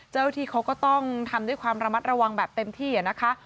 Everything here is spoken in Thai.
เจ้าหน้าที่เขาก็ต้องทำด้วยความระมัดระวังแบบเต็มที่นะคะ